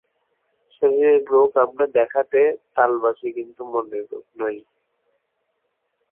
শরীরের রোগ আমরা দেখাতে তালবাসি কিন্তু মনের রোগ নয়।